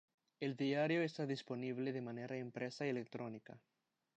El diario está disponible de manera impresa y electrónica.